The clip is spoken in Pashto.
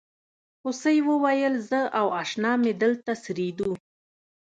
هوسۍ وویل زه او اشنا مې دلته څریدو.